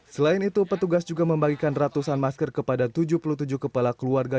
selain itu petugas juga membagikan ratusan masker kepada tujuh puluh tujuh kepala keluarga